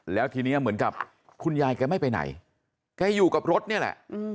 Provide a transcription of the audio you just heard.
แล้วทีนี้เหมือนกับคุณยายแกไม่ไปไหนแกอยู่กับรถนี่แหละ